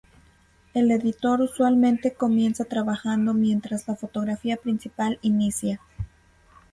El editor usualmente comienza trabajando mientras la fotografía principal inicia.